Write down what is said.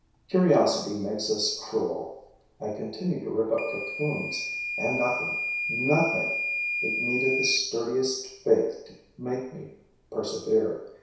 Curiosity makes us cruel. I continue to rip up cocoons. And nothing, nothing! It needed the sturdiest faith to make me persevere.